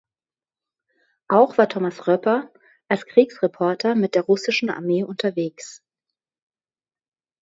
Auch war Thomas Röper als Kriegsreporter mit der russischen Armee unterwegs.